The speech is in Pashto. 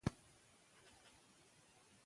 ځینې پوهان شعر عربي کلمه ګڼي.